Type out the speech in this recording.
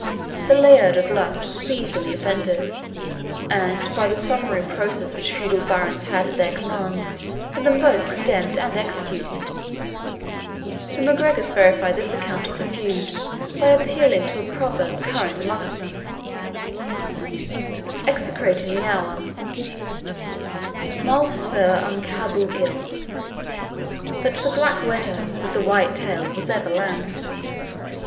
The Laird of Luss seized on the offenders, and, by the summary process which feudal barons had at their command, had them both condemned and executed. The MacGregors verify this account of the feud by appealing to a proverb current amongst them, execrating the hour (Mult dhu an Carbail ghil) that the black wedder with the white tail was ever lambed.